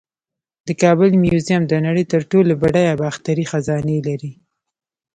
د کابل میوزیم د نړۍ تر ټولو بډایه باختري خزانې لري